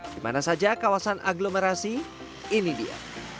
dimana saja kawasan aglomerasi ini dia